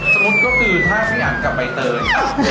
สมมติก็คือถ้าพี่อันกลับไปเตย